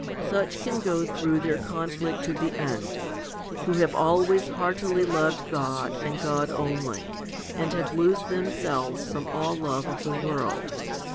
Such can go through their conflict to the end who have always heartily loved God and God only, and have loosed them selves from all love of the world.